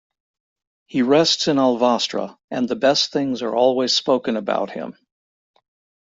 He rests in Alvastra, and the best things are always spoken about him.